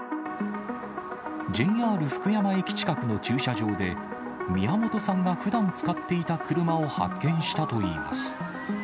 ＪＲ福山駅近くの駐車場で、宮本さんがふだん使っていた車を発見したといいます。